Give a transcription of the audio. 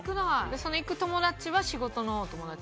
その行く友達は仕事のお友達ですか？